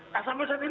nah sampai saat ini